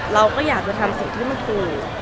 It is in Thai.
เราก็อยากจะทำสิ่งที่มันคือ